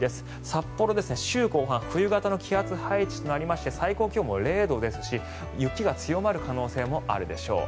札幌、週後半冬型の気圧配置となりまして最高気温も０度ですし雪が強まる可能性もあるでしょう。